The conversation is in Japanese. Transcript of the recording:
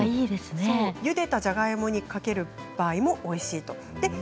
ゆでたじゃがいもにかけてもおいしいと。